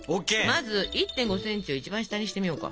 まず１．５センチを一番下にしてみようか。